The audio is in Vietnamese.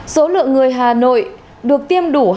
số lượng người hà nội được tiêm đủ hai